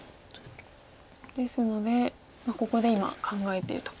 ですのでここで今考えていると。